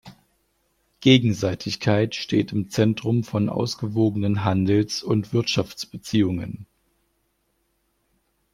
Gegenseitigkeit steht im Zentrum von ausgewogenen Handels- und Wirtschaftsbeziehungen.